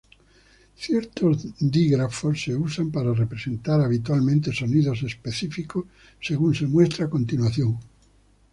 Ciertos dígrafos se usan para representar habitualmente sonidos específicos según se muestra a continuación.